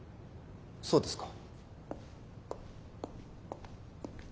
そうですか。